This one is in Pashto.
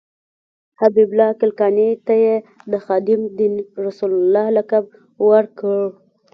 حبیب الله کلکاني ته یې د خادم دین رسول الله لقب ورکړ.